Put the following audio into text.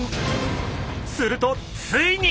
するとついに！